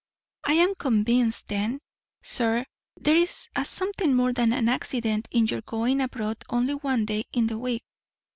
I am convinced then, sir, there is a something more than accident in your going abroad only one day in the week.